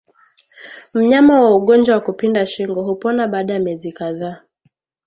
Mnyama wa ugonjwa wa kupinda shingo hupona baada ya miezi kadhaa